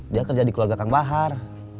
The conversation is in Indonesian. dia kerja di keluarga kang bahar